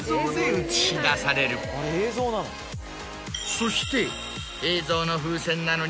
そして。